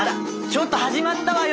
ちょっと始まったわよ！